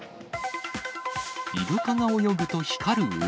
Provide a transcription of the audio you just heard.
イルカが泳ぐと光る海。